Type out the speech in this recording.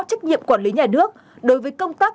trách nhiệm quản lý nhà nước đối với công tác